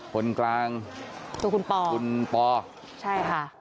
คนกลางคือคุณปอคุณปอใช่ค่ะ